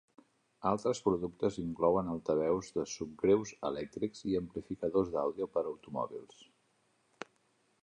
Altres productes inclouen altaveus de subgreus elèctrics i amplificadors d'àudio per a automòbils.